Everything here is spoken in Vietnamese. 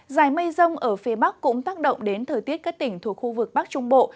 dài mây rông ở phía bắc cũng tác động đến thời tiết các tỉnh thuộc khu vực bắc trung bộ